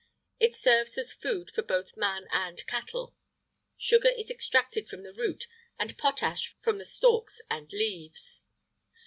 It serves as food for both man and cattle. Sugar is extracted from the root, and potash from the stalks and leaves.